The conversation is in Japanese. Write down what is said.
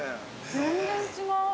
全然違う。